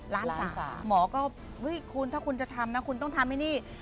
ล้านสามหมอก็คุณถ้าคุณจะทำนะคุณต้องทำอันนี้